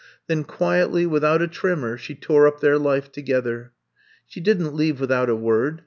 Then quietly, without a tremor, she tore up their life together. *^She did n't leave without a word.